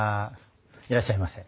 いらっしゃいませ。